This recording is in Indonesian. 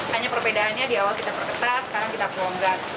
hanya perbedaannya di awal kita berketat sekarang kita berubah